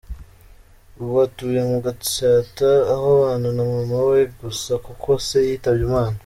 Ubu atuye mu Gatsata aho abana na mama we gusa kuko se yitabye Imana.